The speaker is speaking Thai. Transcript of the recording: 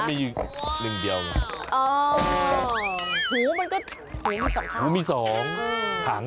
อ๋อมันก็เหมือนมีสองข้าง